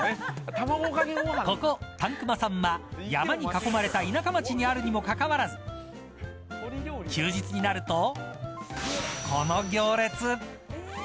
ここ但熊さんは山に囲まれた田舎町にあるにもかかわらず休日になるとこの行列。